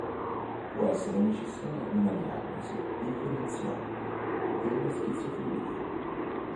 Può essere necessaria una diagnosi differenziale dalla schizofrenia.